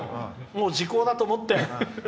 時効だと思って。